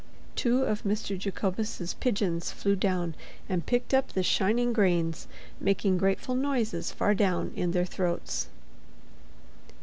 Two of Mr. Jacobus's pigeons flew down and picked up the shining grains, making grateful noises far down in their throats.